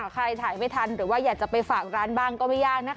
ถ่ายไม่ทันหรือว่าอยากจะไปฝากร้านบ้างก็ไม่ยากนะคะ